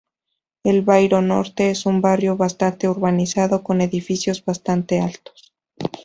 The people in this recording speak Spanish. El Bairro Norte es un barrio bastante urbanizado, con edificios bastante altos.